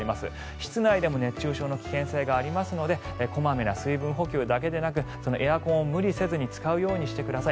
室内でも熱中症の危険性があるので小まめな水分補給だけじゃなくてエアコンを無理せず使うようにしてください。